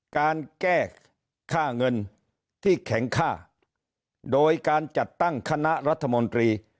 การแก้ค่าเงินที่แข็งค่าโดยการจัดตั้งคณะรัฐมนตรี